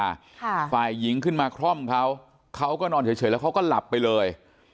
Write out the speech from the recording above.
ค่ะฝ่ายหญิงขึ้นมาคล่อมเขาเขาก็นอนเฉยเฉยแล้วเขาก็หลับไปเลย